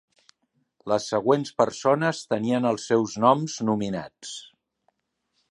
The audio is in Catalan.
Les següents persones tenien els seus noms nominats.